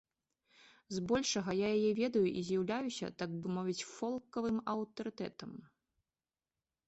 З большага я яе ведаю і з'яўляюся, так бы мовіць, фолкавым аўтарытэтам.